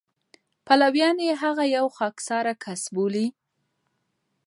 پلویان یې هغه یو خاکساره کس بولي.